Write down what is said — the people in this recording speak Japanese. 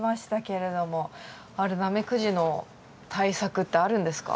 あれナメクジの対策ってあるんですか？